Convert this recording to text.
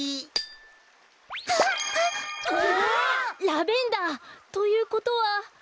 ラベンダーということは。